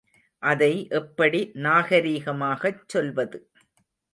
அதை எப்படி நாகரிகமாகச் சொல்வது?